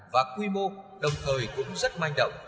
và quy mô đồng thời cũng rất manh động